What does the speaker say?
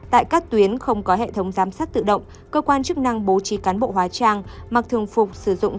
tại các tuyến không có hệ thống giám sát tự động cơ quan chức năng bố trí cán bộ hóa trang mặc thường phục sử dụng